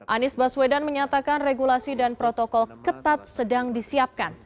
anies baswedan menyatakan regulasi dan protokol ketat sedang disiapkan